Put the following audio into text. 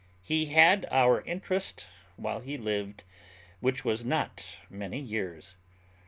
He had our interest while he lived, which was not many years.